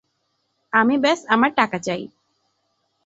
আমি ব্যস আমার টাকা চাই।